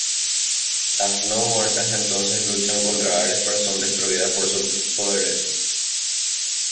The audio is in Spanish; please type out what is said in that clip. Las no-muertas entonces luchan contra Ares pero son destruidas por sus poderes.